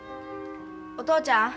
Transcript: お父ちゃん。